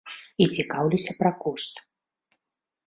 І цікаўлюся пра кошт.